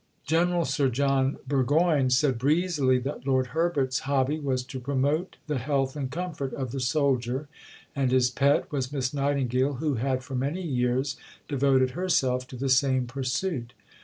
General Sir John Burgoyne said breezily that Lord Herbert's "hobby was to promote the health and comfort of the soldier, and his pet was Miss Nightingale, who had for many years devoted herself to the same pursuit."